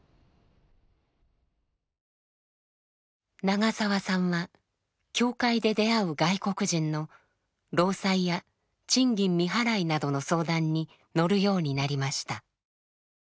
長澤さんは教会で出会う外国人の労災や賃金未払いなどの相談に乗るようになりました。